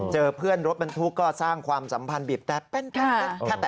เจอเพื่อนรถบรรทุกก็สร้างความสัมพันธ์บีบแต่